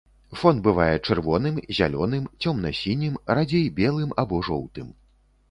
Фон бывае чырвоным, зялёным, цёмна-сінім, радзей белым або жоўтым.